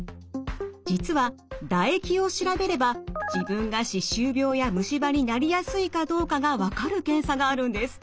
実は唾液を調べれば自分が歯周病や虫歯になりやすいかどうかが分かる検査があるんです。